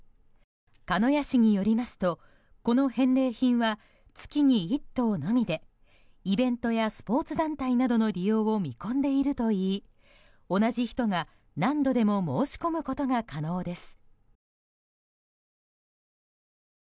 鹿屋市によりますとこの返礼品は月に１頭のみで、イベントやスポーツ団体などの利用を見込んでいるといい同じ人が何度でも申し込むことが可能です。